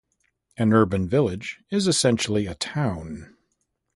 An 'urban' village is essentially a town.